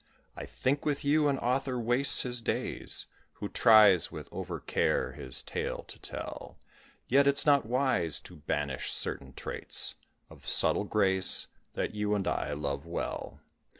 I think with you an author wastes his days, Who tries with over care his tale to tell; Yet, it's not wise to banish certain traits Of subtle grace, that you and I love well.